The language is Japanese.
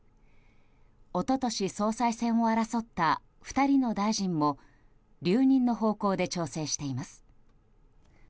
一昨年、総裁選を争った２人の大臣も留任の方向で調整しています。